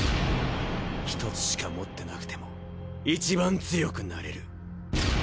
ひとつしか持ってなくても一番強くなれる。